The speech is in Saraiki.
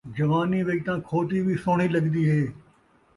جوانی وچ تاں کھوتی وی سوہݨی لڳدی ہے